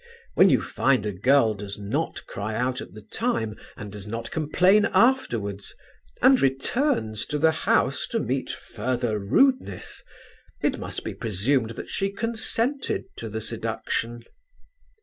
When you find a girl does not cry out at the time and does not complain afterwards, and returns to the house to meet further rudeness, it must be presumed that she consented to the seduction.